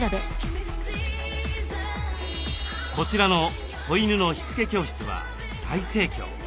こちらの子犬のしつけ教室は大盛況。